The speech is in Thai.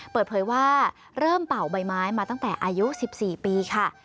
เปิดเผยว่าเริ่มเป่าใบไม้มาตั้งแต่อายุ๑๔ปีค่ะ